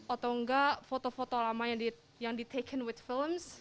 atau enggak foto foto lama yang diambil dengan film